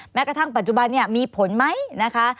แม้กระทั่งปัจจุบันนี้มีผลไหมนะคะ